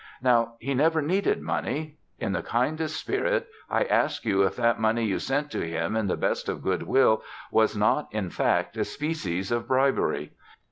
Now, he never needed money. In the kindest spirit, I ask you if that money you sent to him in the best of good will was not, in fact, a species of bribery?